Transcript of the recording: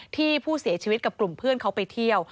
ที่ผู้เสียชีวิตกับกลุ่มเพื่อนเขาไปเที่ยว